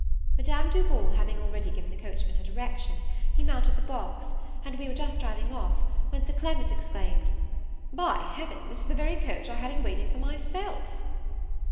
Madame Duval having already given the coachman her direction, he mounted the box, and we were just driving off, when Sir Clement exclaimed, "By Heaven, this is the very coach I had in waiting for myself!"